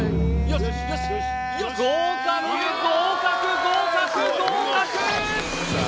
合格合格合格合格！